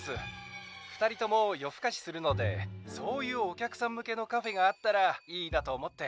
２人とも夜ふかしするのでそういうお客さん向けのカフェがあったらいいなと思って」。